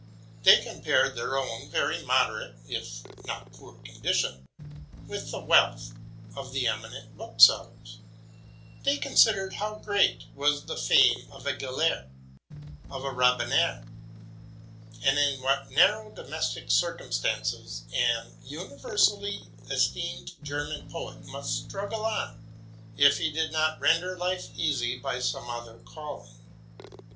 They compared their own very moderate, if not poor, condition, with the wealth of the eminent book sellers : they considered how great was the fame of a Gellert, of a Rabener, and in what narrow domestic circumstances a universally esteemed German poet must struggle on, if he did not render life easy by some other calling.